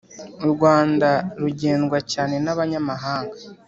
U Rwanda rugendwa cyane nabanyamahanga